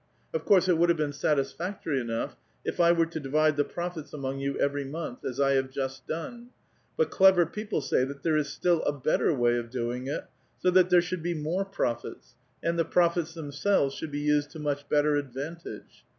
■ Of course, it would have been satisfactory enough, if I ^^fe to divide the profits among you every month, as I have just done ; but clever people say that there is still a better ^^y of doing it, so that there should be more profits, and the P^'^fits themselves should be used to much better advan ge.